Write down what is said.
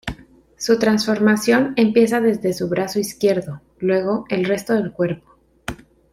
Su transformación empieza desde su brazo izquierdo, luego el resto del cuerpo.